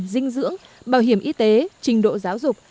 dinh dưỡng bảo hiểm y tế trình độ giáo dục